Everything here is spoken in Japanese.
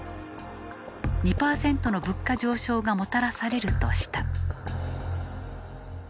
２％の物価上昇がもたらされるとした。